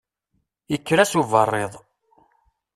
Ikker-as uberriḍ.